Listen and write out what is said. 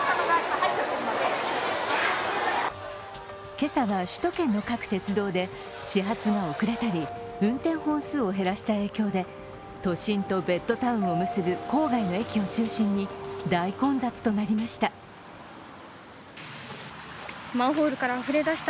今朝は首都圏の各鉄道で始発が遅れたり、運転本数を減らした影響で都心とベッドタウンを結ぶ郊外の駅を中心に大混雑となりました。